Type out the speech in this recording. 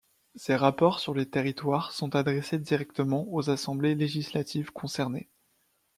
Ses rapports sur les territoires sont adressés directement aux assemblées législatives concernées.